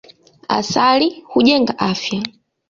Asali hujenga afya.